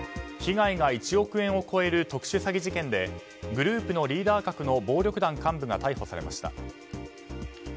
被害が１億円を超える特殊詐欺事件でグループのリーダー格の暴力団幹部が逮捕されました。